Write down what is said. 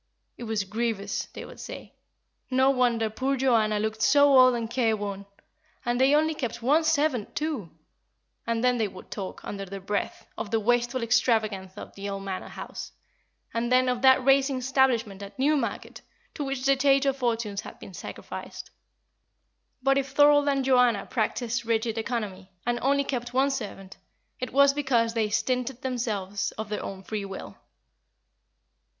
"It was grievous," they would say. "No wonder poor Joanna looked so old and careworn! And they only kept one servant, too;" and then they would talk, under their breath, of the wasteful extravagance at the old Manor House, and then of that racing establishment at Newmarket, to which the Chaytor fortunes had been sacrificed. But if Thorold and Joanna practised rigid economy, and only kept one servant, it was because they stinted themselves of their own free will.